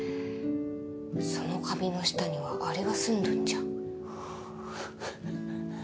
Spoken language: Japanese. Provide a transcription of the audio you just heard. その髪の下にはあれが住んどんじゃ。